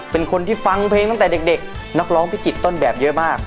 เป็นคนที่ฟังเพลงตั้งแต่เด็กนักร้องพิจิตรต้นแบบเยอะมาก